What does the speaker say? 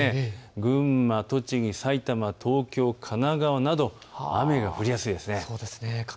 群馬、栃木、埼玉、東京、神奈川など雨が降りやすいです。